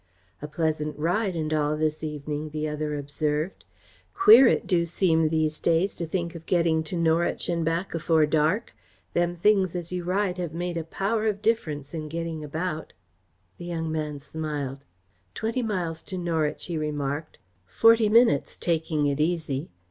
"A pleasant ride and all this evening," the other observed. "Queer it do seem these days to think of getting to Norwich and back afore dark. Them things as you ride have made a power of difference in getting about." The young man smiled. "Twenty miles to Norwich," he remarked. "Forty minutes, taking it easy.